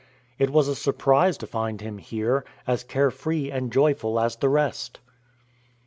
It was a surprise to find him here, as care free and joyful as the rest.